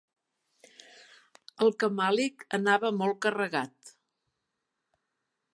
El camàlic anava molt carregat.